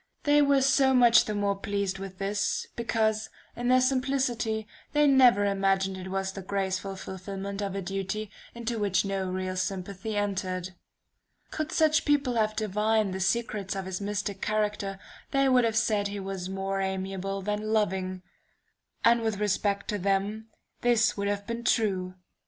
They were so much the more pleased with this, because, in their simplicity, they never imagined it was the graceful fulfillment of a duty into which no real sympathy entered. "Could such people have divined the secrets of his mystic character, they would have said he was more amiable than loving and with respect to them, this would have been true.